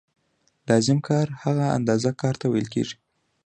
لازم کار هغه اندازه کار ته ویل کېږي